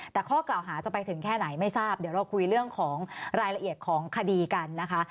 แต่ข้อกล่าวหาจะไปถึงแค่ไหนไม่ทราบเดี๋ยวเราคุยเรื่องของรายละเอียดของคดีกันนะคะ